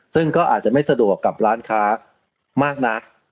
ซึ่งก็อาจจะไม่สะดวกกับร้านค้ามากนัก